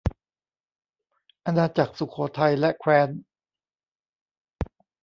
อาณาจักรสุโขทัยและแคว้น